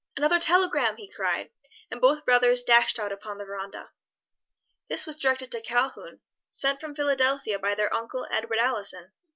"Another telegram!" he cried, and both brothers dashed out upon the veranda. This was directed to Calhoun, sent from Philadelphia by their uncle Edward Allison.